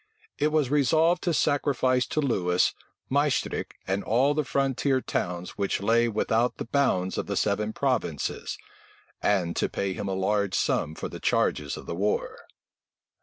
It was resolved to sacrifice to Lewis, Maestricht and all the frontier towns which lay without the bounds of the seven provinces; and to pay him a large sum for the charges of the war.